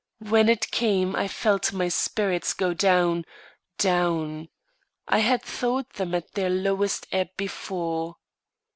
When it came, I felt my spirits go down, down I had thought them at their lowest ebb before.